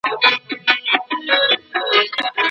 د روغتون کثافات څنګه له منځه وړل کیږي؟